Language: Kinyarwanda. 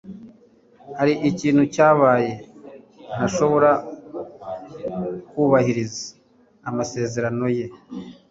Hari ikintu cyabaye ntashobora kubahiriza amasezerano ye.